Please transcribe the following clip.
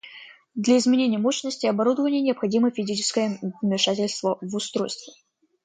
Для изменения мощности оборудования необходимо физическое вмешательство в устройство